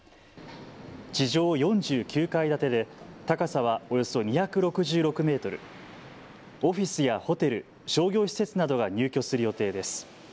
地上４９階建てで高さはおよそ２６６メートル、オフィスやホテル、商業施設などが入居する予定です。